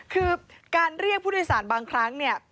คือการเรียกผู้โดยสารบางครั้งเนี่ย